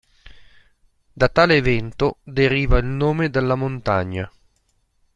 Da tale evento deriva il nome della montagna.